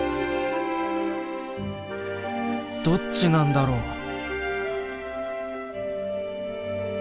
どっちなんだろう？